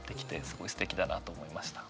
すごいすてきだなと思いました。